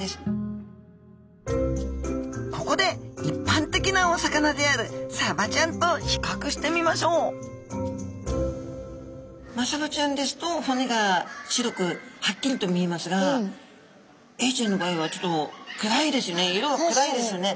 ここでいっぱん的なお魚であるサバちゃんと比較してみましょうマサバちゃんですと骨が白くはっきりと見えますがエイちゃんの場合はちょっと暗いですよね。